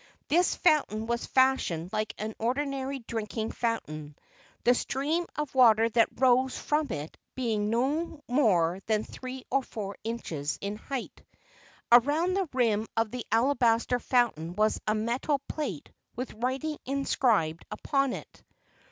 This fountain was fashioned like an ordinary drinking fountain, the stream of water that rose from it being not more than three or four inches in height. Around the rim of the alabaster fountain was a metal plate with writing inscribed upon it.